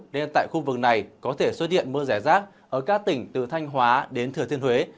nên tại khu vực này có thể xuất hiện mưa rải rác ở các tỉnh từ thanh hóa đến thừa thiên huế